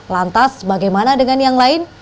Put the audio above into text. lantas bagaimana dengan yang lain